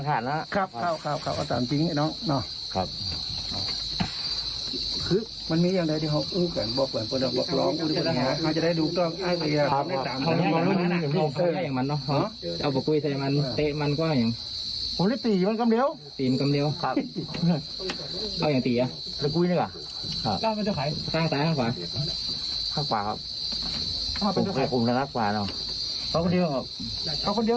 อัศวินไทยอัศวินไทยอัศวินไทย